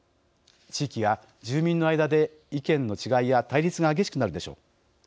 地域や住民の間で、意見の違いや対立が激しくなるでしょう。